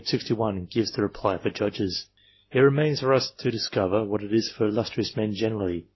265 gives the reply for Judges ; it remains for us to discover what it is for illustrious men generally.